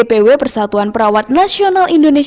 selanjutnya za akan mengubah pernyataan di bap